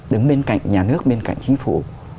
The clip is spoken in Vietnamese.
đứng bên cạnh nhà nước bên cạnh chính phủ